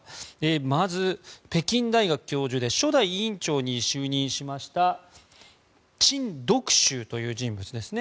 まず、北京大学教授で初代委員長に就任しましたチン・ドクシュウという人物ですね。